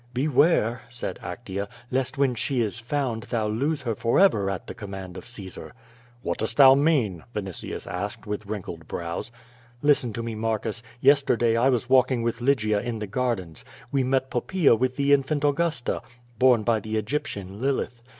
"Beware," said Actea, "lest when she is found thou lose her forever at the command of Caesar." "What dost thou mean?" Vinitius asked, with wrinkled brows. "Listen to me, Marcus, yesterday I was walking with Lygia in the gardens; we met Poppaea with the infant Augusta, borne by the Eg}'ptian, Lilith.